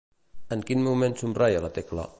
En quin moment somreia la Tecla?